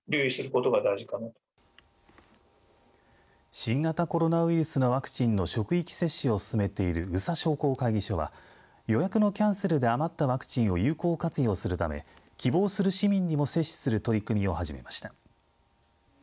新型コロナウイルスのワクチンの職域接種を進めている宇佐商工会議所は予約のキャンセルで余ったワクチンを有効活用するため希望する市民にも接種する取り組みを始めました。